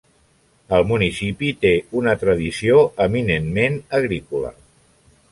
El municipi té una tradició eminentment agrícola.